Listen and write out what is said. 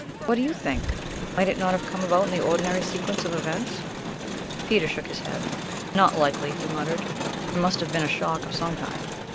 What do you think? Might it not have come about in the ordinary sequence of events?" Peter shook his head. "Not likely," he muttered; "there must have been a shock of some kind."